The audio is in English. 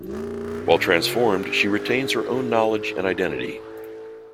While transformed, she retains her own knowledge and identity.